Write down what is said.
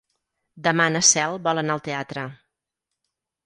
Demà na Cel vol anar al teatre.